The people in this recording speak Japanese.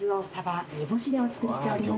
でお作りしております。